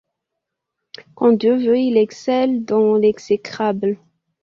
Quand Dieu veut, il excelle dans l’exécrable.